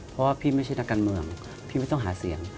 เพราะว่าพี่ไม่ใช่นักการเมืองพี่ไม่ต้องหาเสียง